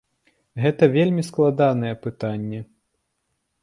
Гэта вельмі складанае пытанне.